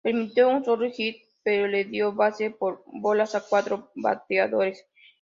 Permitió un solo hit, pero le dio base por bolas a cuatro bateadores.